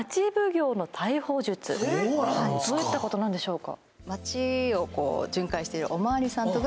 どういったことなんでしょうか？